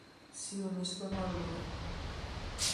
Si uniscono a loro.